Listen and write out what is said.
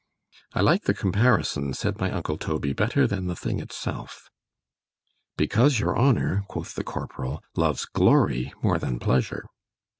—— ——I like the comparison, said my uncle Toby, better than the thing itself—— ——Because your honour, quoth the corporal, loves glory, more than pleasure.